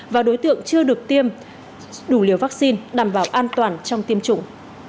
và đối tượng chưa được tiêm đủ liều vaccine đảm bảo an toàn trong tiêm chủng